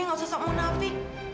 nggak usah sok munafik